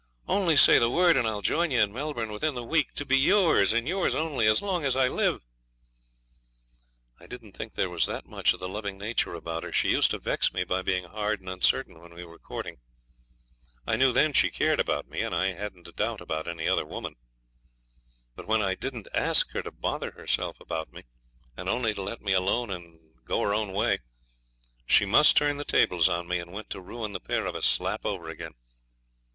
Only say the word, and I'll join you in Melbourne within the week to be yours, and yours only, as long as I live.' I didn't think there was that much of the loving nature about her. She used to vex me by being hard and uncertain when we were courting. I knew then she cared about me, and I hadn't a thought about any other woman. Now when I didn't ask her to bother herself about me, and only to let me alone and go her own way, she must turn the tables on me, and want to ruin the pair of us slap over again.